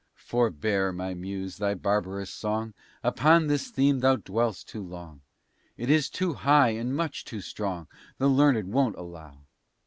Forbear my muse thy barbarous song, Upon this theme thou'st dwelt too long, It is too high and much too strong, The learned won't allow.